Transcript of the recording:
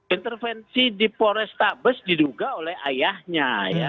intervensi di polres sabes diduga oleh ayahnya